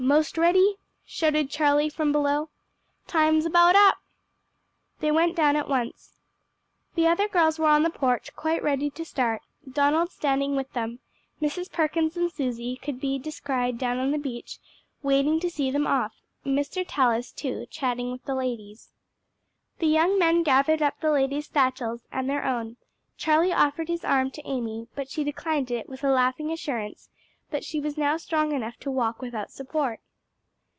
'most ready?" shouted Charlie from below. "Time's about up." They went down at once. The other girls were on the porch quite ready to start, Donald standing with them. Mrs. Perkins and Susie could be descried down on the beach waiting to see them off; Mr. Tallis too, chatting with the ladies. The young men gathered up the ladies' satchels and their own. Charlie offered his arm to Amy, but she declined it with a laughing assurance that she was now strong enough to walk without support.